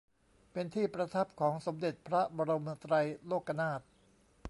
เป็นที่ประทับของสมเด็จพระบรมไตรโลกนาถ